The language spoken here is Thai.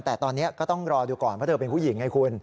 แต่ตอนนี้ก็ต้องรอดูก่อนเพราะเธอเป็นผู้หญิงไงคุณ